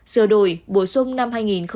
sửa đổi bổ sung năm hai nghìn một mươi bảy